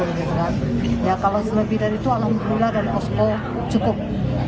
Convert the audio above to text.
jadi matras itu tidur ya kalau selebih dari itu alhamdulillah dan posko cukup